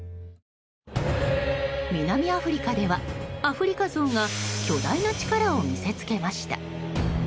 南アフリカではアフリカゾウが巨大な力を見せつけました。